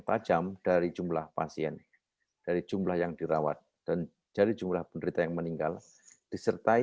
tajam dari jumlah pasien dari jumlah yang dirawat dan dari jumlah penderita yang meninggal disertai